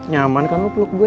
nyaman kan lo peluk gue